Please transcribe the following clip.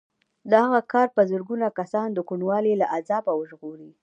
د هغه کار به زرګونه کسان د کوڼوالي له عذابه وژغوري